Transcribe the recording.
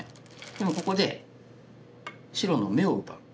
でもここで白の眼を奪う。